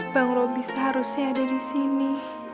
bang roby seharusnya ada di sini